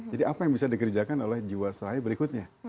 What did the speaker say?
jadi apa yang bisa dikerjakan oleh jiwa seraya berikutnya